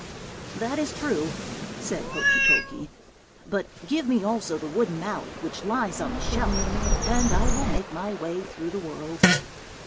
"'That is true,' said Hokey Pokey. 'But give me also the wooden mallet which lies on the shelf, and I will make my way through the world.'